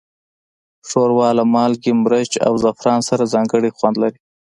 ښوروا له مالګې، مرچ، او زعفران سره ځانګړی خوند لري.